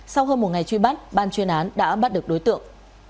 sau hơn một ngày truy bắt ban chuyên án đã bắt được đối tượng